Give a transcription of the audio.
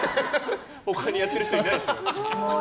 他にやってる人いないでしょ。